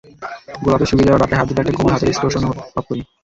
গোলাপের শুকিয়ে যাওয়া ডাঁটায় হাত দিলে একটা কোমল হাতের স্পর্শ অনুভব করি।